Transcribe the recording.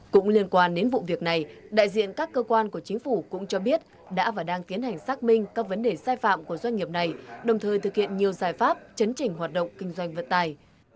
cũng liên quan đến vụ việc này đại diện các cơ quan của chính phủ cũng cho biết đã và đang tiến hành xác minh các vấn đề sai phạm của doanh nghiệp này đồng thời thực hiện nhiều giải pháp chấn chỉnh hoạt động kinh doanh vận tài